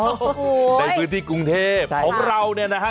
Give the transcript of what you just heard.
โอ้โหในพื้นที่กรุงเทพของเราเนี่ยนะฮะ